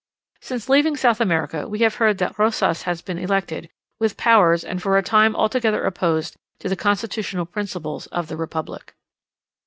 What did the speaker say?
Since leaving South America, we have heard that Rosas has been elected, with powers and for a time altogether opposed to the constitutional principles of the republic.